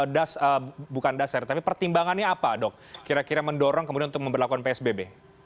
dasar bukan dasar tapi pertimbangannya apa dok kira kira mendorong kemudian untuk memperlakukan psbb